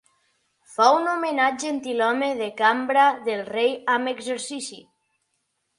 Fou nomenat gentilhome de cambra del Rei amb exercici.